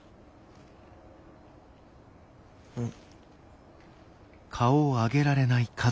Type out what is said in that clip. うん。